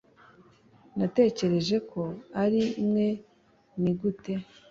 natekereje ko ari imwe ... ni gute